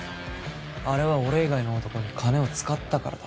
あれは俺以外の男に金を使ったからだ。